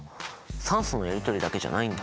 酸素のやりとりだけじゃないんだ！